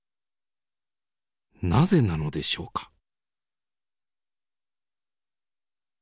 なぜなのでしょうか。